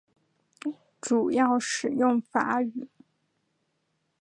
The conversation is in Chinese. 主要使用法语。